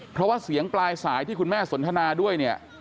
เพราะว่าเสียงปลายสายที่คุณแม่สนทนาด้วยเนี่ย